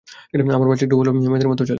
আমার বাচ্চা একটু হলেও মেয়েদের মতো চল।